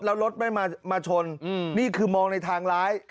แล้วรถไม่มาชนนี่คือมองในทางร้าย